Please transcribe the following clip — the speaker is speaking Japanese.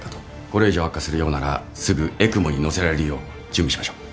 これ以上悪化するようならすぐＥＣＭＯに乗せられるよう準備しましょう。